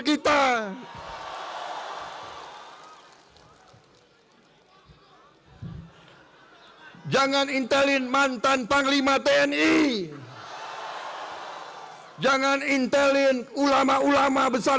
kita perlu hakim hakim yang unggul dan jujur